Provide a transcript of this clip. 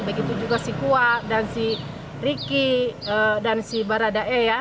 begitu juga si kua dan si riki dan si baradae ya